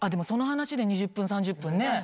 その話で２０分、３０分ね。